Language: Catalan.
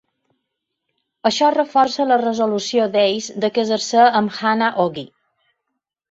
Això reforça la resolució d'Ace de casar-se amb Hana-ogi.